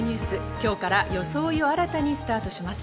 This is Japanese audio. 今日から装いを新たにスタートします。